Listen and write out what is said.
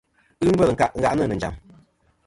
Ghɨ ngvêl nkâʼ ngàʼnɨ̀ nɨ̀ njàm.